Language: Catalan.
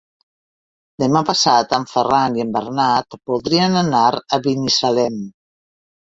Demà passat en Ferran i en Bernat voldrien anar a Binissalem.